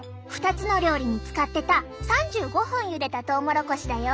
２つの料理に使ってた３５分ゆでたトウモロコシだよ。